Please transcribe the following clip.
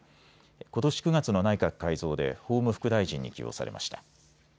ことし９月の内閣改造で法務副大臣に起用されました。